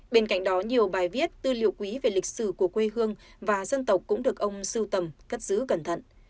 bên cạnh đó nhiều bài viết tư liệu quý về lịch sử của quê hương và dân tộc cũng được ông sưu tầm cất giữ cẩn thận